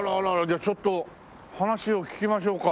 じゃあちょっと話を聞きましょうか。